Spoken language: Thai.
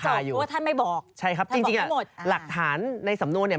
เพราะว่าท่านไม่บอกท่านบอกไม่หมดใช่ครับจริงหลักฐานในสำนวนเนี่ย